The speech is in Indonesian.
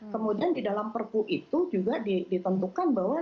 kemudian di dalam perpu itu juga ditentukan bahwa